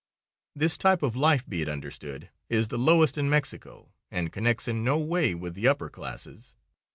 This type of life, be it understood, is the lowest in Mexico, and connects in no way with the upper classes.